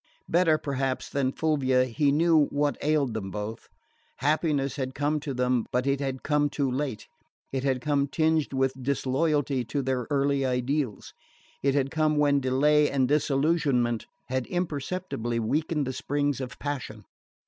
Better, perhaps, than Fulvia, he knew what ailed them both. Happiness had come to them, but it had come too late; it had come tinged with disloyalty to their early ideals; it had come when delay and disillusionment had imperceptibly weakened the springs of passion.